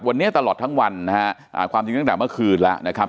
วันนี้ตลอดทั้งวันนะฮะความจริงตั้งแต่เมื่อคืนแล้วนะครับ